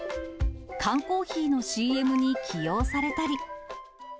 缶コーヒーのＣＭに起用されたり。